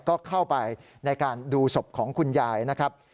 ก็เข้าไปในการดูศพของคุณยายนะครับ